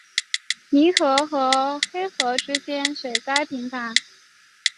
泥河和黑河之间水灾频繁。